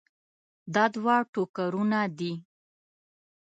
دا دوه ټوکرونه دي.